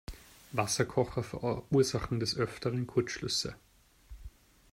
Wasserkocher verursachen des Öfteren Kurzschlüsse.